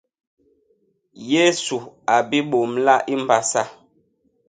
Yésu a bibômla i mbasa.